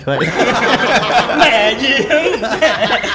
แหมะยิ้ม